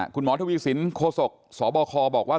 คุณหมอทวีสินโคศกสบคบอกว่า